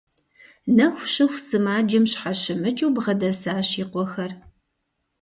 Нэху щыху сымаджэм щхьэщымыкӀыу бгъэдэсащ и къуэхэр.